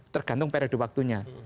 tergantung periode waktunya